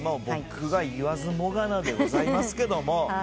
僕が言わずもがなでございますけども。